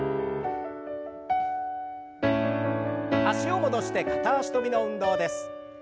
脚を戻して片脚跳びの運動です。